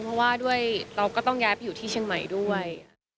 เพราะว่าด้วยเราก็ต้องย้ายไปอยู่ที่เชียงใหม่ด้วย